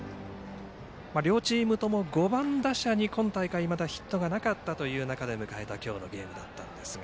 両チームとも、５番打者に今大会ヒットがなかったという中で迎えた今日のゲームだったんですが